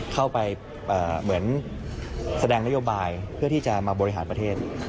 เข้าไปเหมือนแสดงนโยบายเพื่อที่จะมาบริหารประเทศ